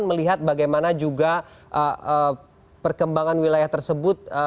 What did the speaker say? melihat bagaimana juga perkembangan wilayah tersebut